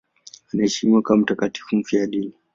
Anaheshimiwa kama mtakatifu mfiadini.